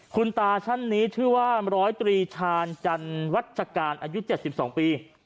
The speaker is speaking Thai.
คุณตาท่านนี้ชื่อว่าร้อยตรีชาญจันวัชการอายุ๗๒ปี